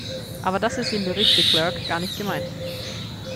Aber das ist im Bericht De Clercq gar nicht gemeint.